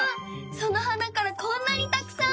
その花からこんなにたくさん？